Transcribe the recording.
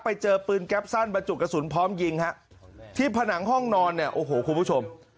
ไปเจอปืนแก๊ปสั้นบรรจุกระสุนพร้อมยิงฮะที่ผนังห้องนอนเนี่ยโอ้โหคุณผู้ชม